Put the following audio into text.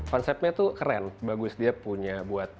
konsepnya tuh keren bagus dia punya buat